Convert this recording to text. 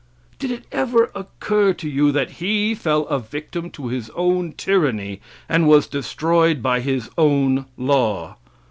Did it ever occur to you that He fell a victim to His own tyranny, and was destroyed by His own law!